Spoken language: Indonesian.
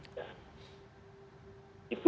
itu bagian yang dievaluasi oleh mas yudi